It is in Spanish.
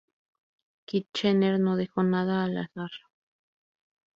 Kitchener no dejó nada al azar.